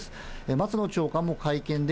松野長官も会見で、